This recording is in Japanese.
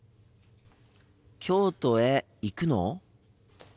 京都へ行くの？